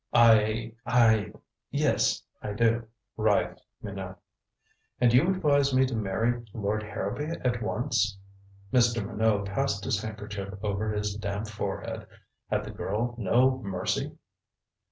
"I I yes, I do," writhed Minot "And you advise me to marry Lord Harrowby at once?" Mr. Minot passed his handkerchief over his damp forehead. Had the girl no mercy?